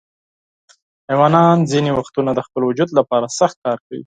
حیوانات ځینې وختونه د خپل وجود لپاره سخت کار کوي.